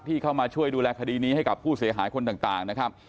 เข้ามาช่วยดูแลคดีนี้ให้กับผู้เสียหายคนต่างนะครับ